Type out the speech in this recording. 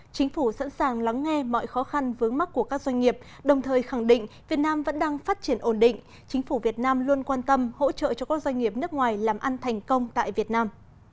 chính phủ sẵn sàng lắng nghe mọi khó khăn vướng mắt của các doanh nghiệp đồng thời khẳng định việt nam vẫn đang phát triển ổn định chính phủ việt nam luôn quan tâm hỗ trợ cho các doanh nghiệp nước ngoài làm ăn thành công tại việt nam